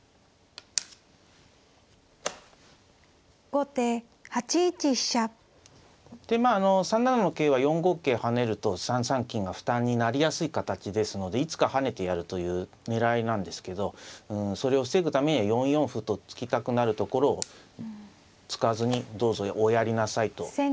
後手８一飛車。でまあ３七の桂は４五桂跳ねると３三金が負担になりやすい形ですのでいつか跳ねてやるという狙いなんですけどそれを防ぐためには４四歩と突きたくなるところを突かずにどうぞおやりなさいとやりました。